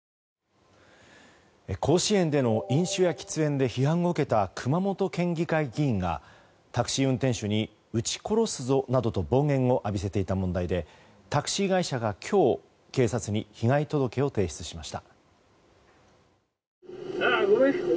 甲子園での飲酒や喫煙で批判を受けた熊本県議会議員がタクシー運転手にうち殺すぞなどと暴言を浴びせていた問題でタクシー会社が今日警察に被害届を提出しました。